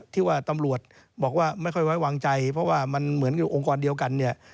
ที่ว่าตำรวจบอกว่าไม่ค่อยไว้วางใจเพราะว่ามันเหมือนกับองค์กรเดียวกันเนี่ย